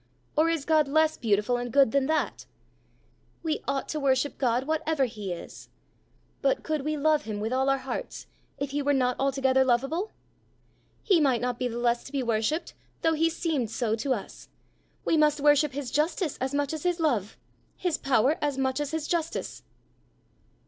Or is God less beautiful and good than that?" "We ought to worship God whatever he is." "But could we love him with all our hearts if he were not altogether lovable?" "He might not be the less to be worshipped though he seemed so to us. We must worship his justice as much as his love, his power as much as his justice."